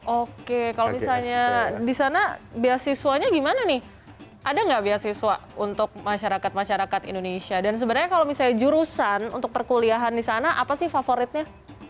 oke kalau misalnya di sana beasiswanya gimana nih ada nggak beasiswa untuk masyarakat masyarakat indonesia dan sebenarnya kalau misalnya jurusan untuk perkuliahan di sana apa sih favoritnya